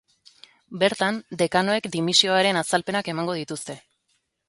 Bertan, dekanoek dimisioaren azalpenak emango dituzte.